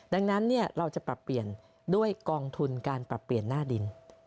ดังนั้นเราจะปรับเปลี่ยนด้วยกองทุนการปรับเปลี่ยนหน้าดิน